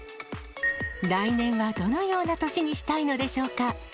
来年はどのような年にしたいのでしょうか。